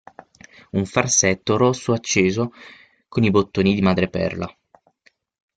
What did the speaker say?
Un farsetto rosso acceso con i bottoni di madreperla.